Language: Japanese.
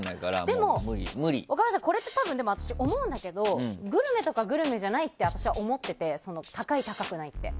でもこれ、若林さん思うんだけどグルメとかグルメじゃないって私は思ってて高い、高くないって。